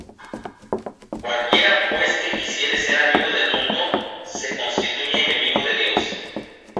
Cualquiera pues que quisiere ser amigo del mundo, se constituye enemigo de Dios.